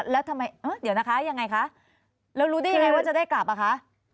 แล้วทำไมเดี๋ยวนะคะยังไงคะแล้วรู้ได้ยังไงว่าจะได้กลับอ่ะคะ